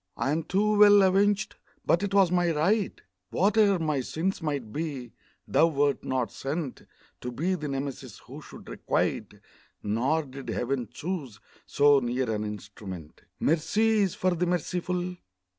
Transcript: I am too well avenged! but 'twas my right; Whate'er my sins might be, thou wert not sent To be the Nemesis who should requite Nor did Heaven choose so near an instrument. Mercy is for the merciful!